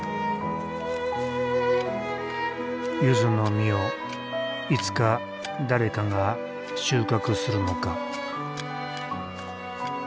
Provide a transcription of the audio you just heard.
ゆずの実をいつか誰かが収穫するのか。